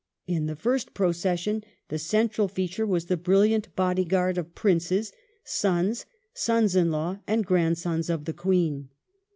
In the first procession the central feature was the brilliant bodyguai'd of Princes : sons, sons in law, and grandsons of the Queen.